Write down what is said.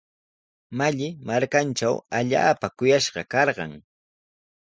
Malli markantraw allaapa kuyashqa karqan.